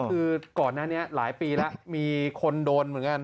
คือก่อนหน้านี้หลายปีแล้วมีคนโดนเหมือนกัน